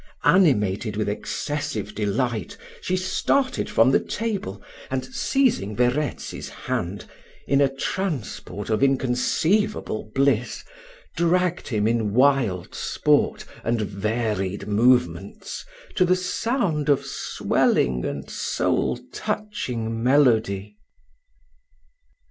Animated with excessive delight, she started from the table, and, seizing Verezzi's hand, in a transport of inconceivable bliss, dragged him in wild sport and varied movements, to the sound of swelling and soul touching melody.